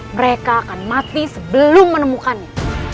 mereka akan mati sebelum menemukannya